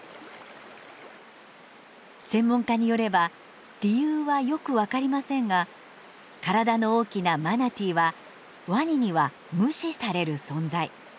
専門家によれば理由はよく分かりませんが体の大きなマナティーはワニには無視される存在。